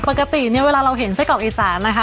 ปกติเนี่ยเวลาเราเห็นไส้กรอกอีสานนะคะ